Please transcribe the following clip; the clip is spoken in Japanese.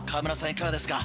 いかがですか？